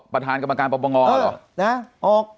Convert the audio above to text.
ประธานกรรมการปรปงเหรอ